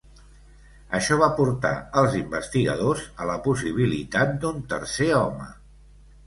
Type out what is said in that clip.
Això va portar els investigadors a la possibilitat d'un tercer home.